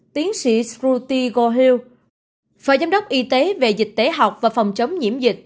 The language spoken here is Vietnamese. tiến sĩ shruti gohil phở giám đốc y tế về dịch tế học và phòng chống nhiễm dịch